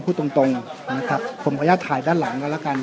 พูดตรงนะครับผมขออนุญาตถ่ายด้านหลังก็แล้วกัน